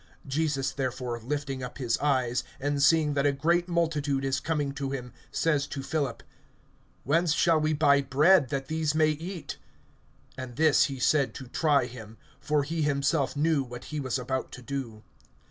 (5)Jesus therefore lifting up his eyes, and seeing that a great multitude is coming to him, says to Philip: Whence shall we buy bread that these may eat? (6)And this he said to try him; for he himself knew what he was about to do.